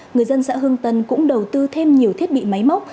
người dân xã hương tân cũng đầu tư thêm nhiều thiết bị máy móc